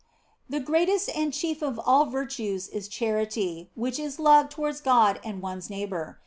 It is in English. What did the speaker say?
The greatest and chief of all virtues is charity, which is love towards God and one s neighbour.